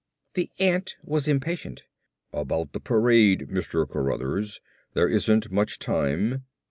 The ant was impatient. "About the parade, Mr. Cruthers, there isn't much time."